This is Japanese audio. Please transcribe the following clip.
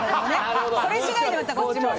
それ次第でまたこっちも。